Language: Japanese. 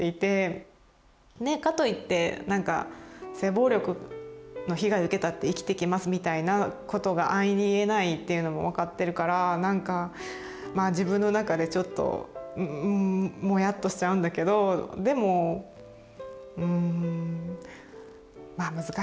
かと言って「性暴力の被害受けたって生きていけます」みたいなことが安易に言えないっていうのも分かってるからまあ自分の中でちょっともやっとしちゃうんだけどでもんまあ難しいです。